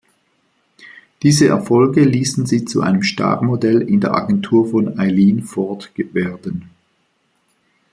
Diese Erfolge ließen sie zu einem Star-Modell in der Agentur von Eileen Ford werden.